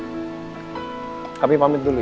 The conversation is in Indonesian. kami pamit dulu ya